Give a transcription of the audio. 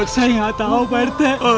saya gak tau pak arte